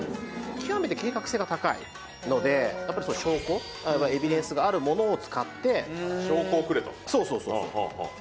極めて計画性が高いのでやっぱり証拠エビデンスがあるものを使って証拠をくれとはあはあはあはあそう